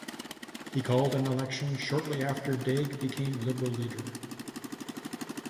He called an election shortly after Daigle became Liberal leader.